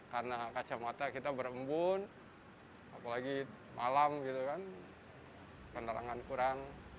karena kacamata kita berembun apalagi malam gitu kan penerangan kurang